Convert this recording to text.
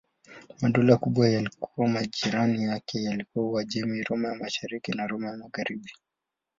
Madola makubwa yaliyokuwa majirani yake yalikuwa Uajemi, Roma ya Mashariki na Roma ya Magharibi.